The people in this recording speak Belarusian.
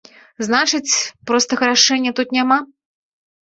Значыць, простага рашэння тут няма.